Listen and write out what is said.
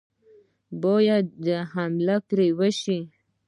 باید حمله پرې وشي.